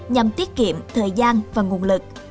nhằm tiết kiệm thời gian và nguồn lực